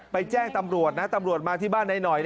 แจ้งตำรวจนะตำรวจมาที่บ้านนายหน่อย